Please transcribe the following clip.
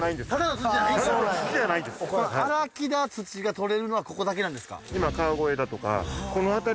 荒木田土がとれるのはここだけなんですか？